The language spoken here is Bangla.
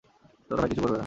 তোর ভাই কিছু করবে না।